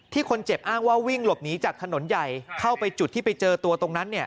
คนเจ็บอ้างว่าวิ่งหลบหนีจากถนนใหญ่เข้าไปจุดที่ไปเจอตัวตรงนั้น